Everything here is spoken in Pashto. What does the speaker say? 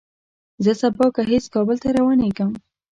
زه سبا ګهیځ کابل ته روانېږم.